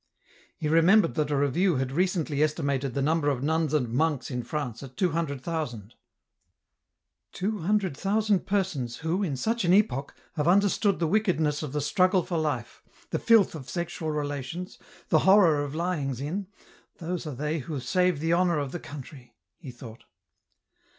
He remembered that a review had recently estimated the number of nuns and monks in France at two hundred thousand. 148 EN ROUTE. " Two hundred thousand persons, who, in such an epoch, have understood the wickedness of the struggle for life, the filth of sexual relations, the horror of lyings in, those are they who save the honour of the country," he thought.